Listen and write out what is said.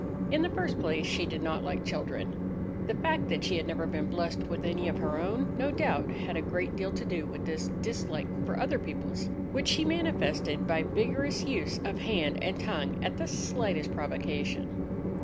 In the first place, she did not like children. The fact that she had never been blessed with any of her own no doubt had a great deal to do with this dislike for other people's, which she manifested by vigorous use of hand and tongue at the slightest provocation.